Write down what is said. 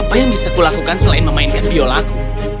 apa yang bisa kulakukan selain memainkan biolaku